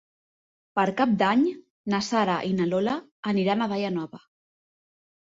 Per Cap d'Any na Sara i na Lola aniran a Daia Nova.